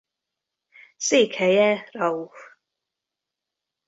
Székhelye Rauch.